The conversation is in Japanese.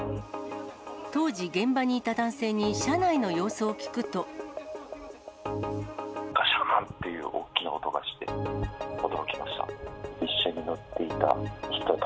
当時、現場にいた男性に車内の様子を聞くと。がしゃーんって大きな音がして、驚きました。